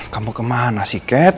kamu kemana sih cat